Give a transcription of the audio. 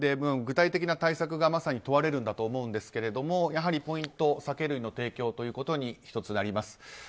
具体的な対策がまさに問われるんだと思いますがやはりポイント酒類の提供ということになります。